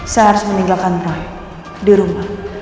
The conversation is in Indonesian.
saya harus meninggalkan prai di rumah